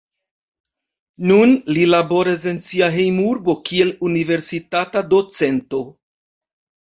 Nun li laboras en sia hejmurbo kiel universitata docento.